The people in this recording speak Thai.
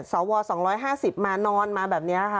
สว๒๕๐มานอนมาแบบนี้ค่ะ